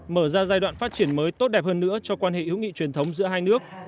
mở ra giai đoạn phát triển mới tốt đẹp hơn nữa cho quan hệ hữu nghị truyền thống giữa hai nước